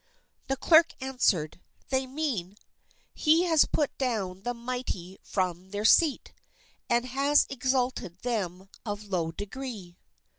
The clerk answered, "They mean, 'He has put down the mighty from their seat, And has exalted them of low degree!